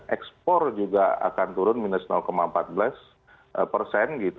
ekspor juga akan turun minus empat belas persen